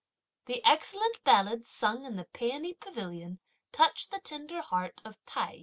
The excellent ballads sung in the Peony Pavilion touch the tender heart of Tai yü.